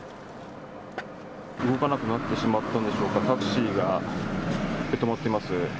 動かなくなってしまったんでしょうか、タクシーが止まってます。